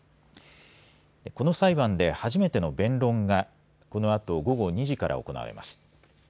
この裁判で初めての弁論がこのあと午後２時から行われます。